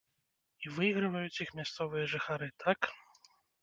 І выйграваюць іх мясцовыя жыхары, так?